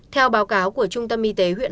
theo báo cáo của trung tâm